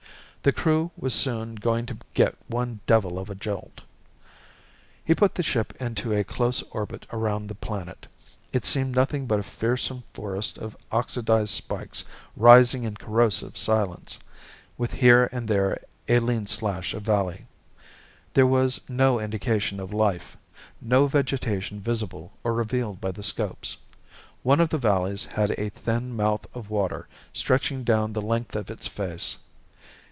The Crew was soon going to get one devil of a jolt! He put the ship into a close orbit around the planet. It seemed nothing but a fearsome forest of oxydized spikes rising in corrosive silence, with here and there a lean slash of valley. There was no indication of life, no vegetation visible or revealed by the scopes. One of the valleys had a thin mouth of water stretching down the length of its face.